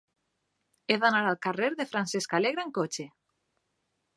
He d'anar al carrer de Francesc Alegre amb cotxe.